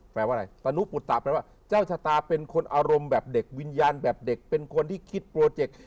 แปลว่าอะไรตนุปุตตะแปลว่าเจ้าชะตาเป็นคนอารมณ์แบบเด็กวิญญาณแบบเด็กเป็นคนที่คิดโปรเจกต์